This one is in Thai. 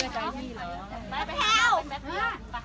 สวัสดีครับคุณพลาด